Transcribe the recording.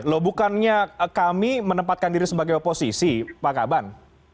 loh bukannya kami menempatkan diri sebagai oposisi pak kaban